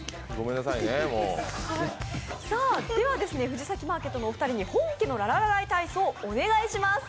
藤崎マーケットのお二人の本家のラララライ体操お願いします。